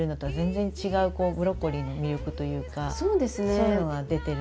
そういうのが出てるかな。